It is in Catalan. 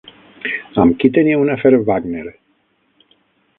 Amb qui tenia un afer Wagner?